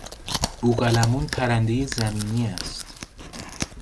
بوقلمون پرندهی زمینی است.